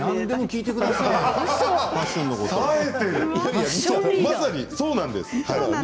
まさに、そうなんです。